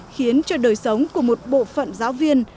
khiến cho đời sống của một bộ phận giáo viên